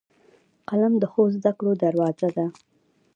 قلم د ښو زدهکړو دروازه ده